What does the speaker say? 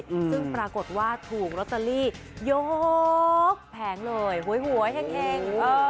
ซึ่งปรากฏว่าถูงโรตเตอรี่ยกแผงเลยหวยเฮ็ง